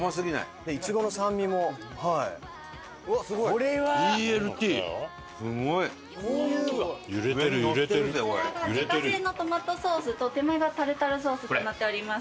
こちらが自家製のトマトソースと手前がタルタルソースとなっております。